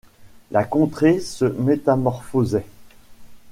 La contrée se métamorphosait.